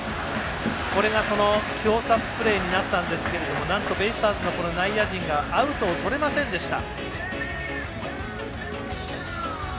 これが挟殺プレーになったんですがなんとベイスターズの内野陣がアウトをとれませんでした。